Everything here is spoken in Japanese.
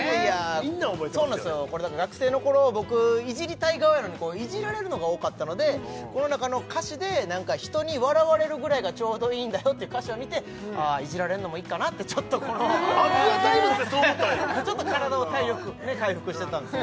みんな覚えてますよ学生のころ僕いじりたい側やのにいじられるのが多かったのでこのなかの歌詞で「人に笑われるくらいがちょうどいいんだよ」っていう歌詞を見ていじられんのもいっかなってちょっとこのＡｑｕａＴｉｍｅｚでそう思ったんやちょっと体力ねっ回復してたんです